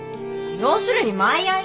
要するにマイアイ。